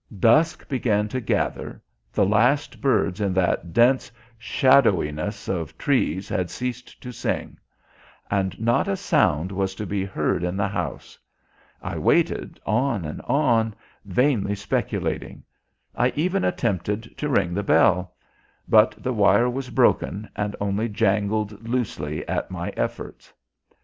Dusk began to gather, the last birds in that dense shadowiness of trees had ceased to sing. And not a sound was to be heard in the house. I waited on and on, vainly speculating. I even attempted to ring the bell; but the wire was broken, and only jangled loosely at my efforts.